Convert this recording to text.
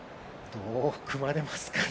どう組まれますかね？